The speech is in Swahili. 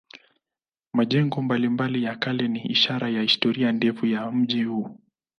Majengo mbalimbali ya kale ni ishara ya historia ndefu ya mji huu.